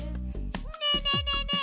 ねえねえねえねえ！